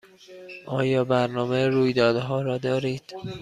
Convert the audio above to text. آیا برنامه رویدادها را دارید؟